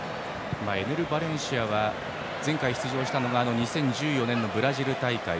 エネル・バレンシアは前回出場したのが２０１４年のブラジル大会。